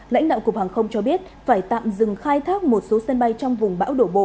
lãnh đạo cục hàng không cho biết phải tạm dừng khai thác một số sân bay trong vùng bão